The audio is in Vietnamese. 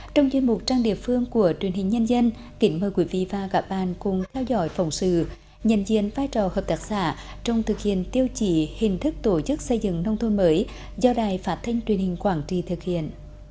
trong chuyên mục trang địa phương của truyền hình nhân dân kính mời quý vị và các bạn cùng theo dõi phòng sự nhận diện vai trò hợp tác xã trong thực hiện tiêu chí hình thức tổ chức xây dựng nông thôn mới do đài phát thanh truyền hình quảng trì thực hiện